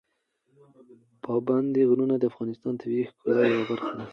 پابندي غرونه د افغانستان د طبیعي ښکلا یوه برخه ده.